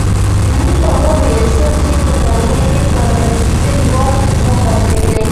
موږ ته و ویل شول چې په ځنګله کې پر غزیدلي واټ وخوځیږئ.